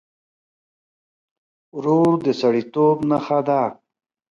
ورور د سړيتوب نښه ده.